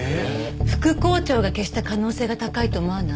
副校長が消した可能性が高いと思わない？